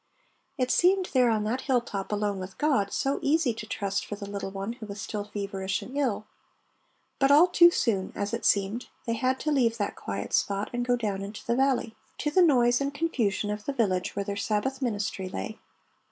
It seemed there on that hill top alone with God so easy to trust for the little one who was still feverish and ill. But all too soon, as it seemed, they had to leave that quiet spot and go down into the valley—to the noise and confusion of the village where their Sabbath ministry lay.